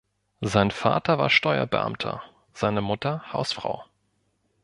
Sein Vater war Steuerbeamter, seine Mutter Hausfrau.